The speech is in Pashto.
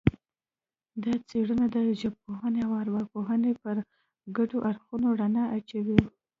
دا څېړنه د ژبپوهنې او ارواپوهنې پر ګډو اړخونو رڼا اچوي